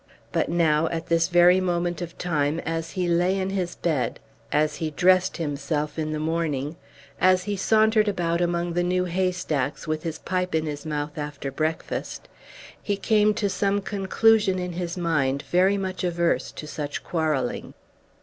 But now, at this very moment of time, as he lay in his bed, as he dressed himself in the morning, as he sauntered about among the new hay stacks with his pipe in his mouth after breakfast, he came to some conclusion in his mind very much averse to such quarrelling.